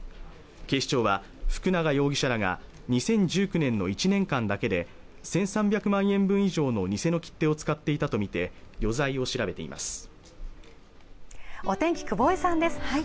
警視庁は福永容疑者らが２０１９年の１年間だけで１３００万円分以上の偽の切手を使っていたとみて余罪を調べています